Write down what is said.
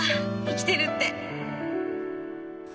生きてるって！